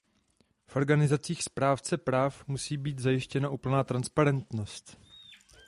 V organizacích správce práv musí být zajištěna úplná transparentnost.